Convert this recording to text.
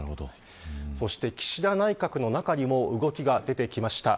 そして岸田内閣の中にも動きが出てきました。